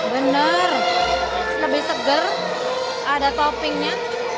bener lebih segar ada toppingnya